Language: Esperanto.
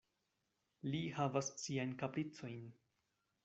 Li havas siajn kapricojn.